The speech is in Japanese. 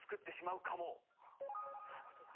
はっどういうことだ？